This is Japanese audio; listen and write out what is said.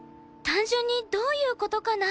単純にどういう事かな？